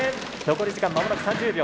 残り時間まもなく３０秒。